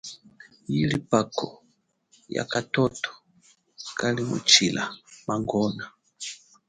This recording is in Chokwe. Yili phako yakathotho kalimutshila mangona.